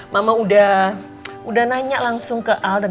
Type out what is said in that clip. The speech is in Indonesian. mama udah nanya langsung ke aldan